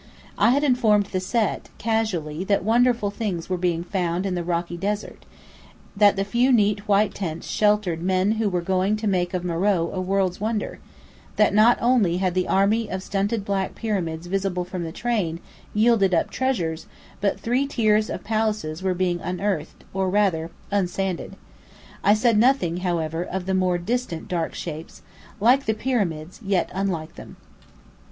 I had informed the Set, casually, that wonderful things were being found here in the rocky desert: that the few neat white tents sheltered men who were going to make of Meröe a world's wonder: that not only had the army of stunted black pyramids visible from the train, yielded up treasures, but three tiers of palaces were being unearthed, or rather, unsanded. I said nothing, however, of the more distant dark shapes, like the pyramids yet unlike them.